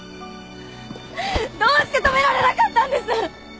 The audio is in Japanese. どうして止められなかったんです？